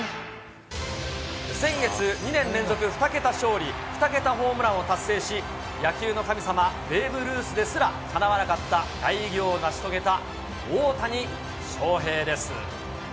先月、２年連続２桁勝利２桁ホームランを達成し、野球の神様、ベーブ・ルースですらかなわなかった大偉業を成し遂げた大谷翔平です。